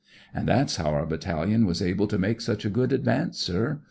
" An' that's how our Battalion was able to make such a good advance, sir.